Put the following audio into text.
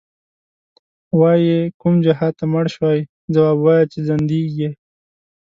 وایې کوم جهادته مړ شوی، ځواب وایه چی ځندیږی